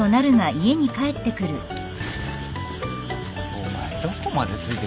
お前どこまでついてくんだよ。